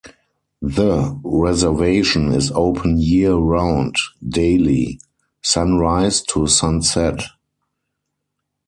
The reservation is open year-round, daily, sunrise to sunset.